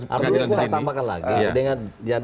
kita yang menghadirkan penyelidikan disini